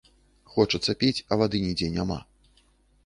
Хочацца піць, а вады нідзе няма.